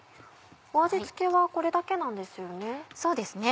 味付けはこれだけなんですよね？